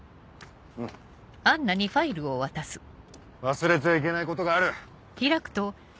忘れちゃいけないことがある。